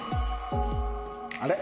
あれ？